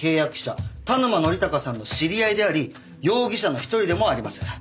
田沼典孝さんの知り合いであり容疑者の一人でもあります。